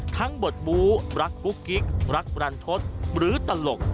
บทบู้รักกุ๊กกิ๊กรักบรรทศหรือตลก